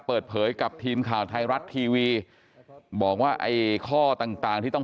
เปิดเผยกับทีมข่าวไทยรัฐทีวีบอกว่าไอ้ข้อต่างต่างที่ต้อง